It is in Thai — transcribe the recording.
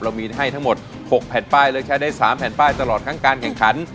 มีให้ทั้งหมด๖แผ่นป้ายเลือกใช้ได้๓แผ่นป้ายตลอดทั้งการแข่งขัน